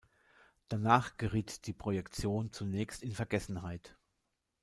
Danach geriet die Projektion zunächst in Vergessenheit.